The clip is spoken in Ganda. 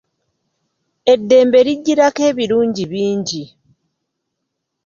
Eddembe lijjirako ebirungi bingi.